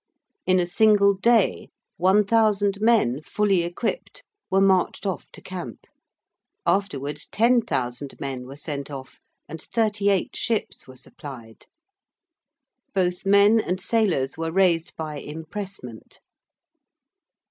In a single day 1,000 men, fully equipped, were marched off to camp. Afterwards 10,000 men were sent off, and thirty eight ships were supplied. Both men and sailors were raised by impressment.